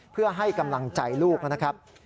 เพื่อให้กำลังใจลูกนะครับ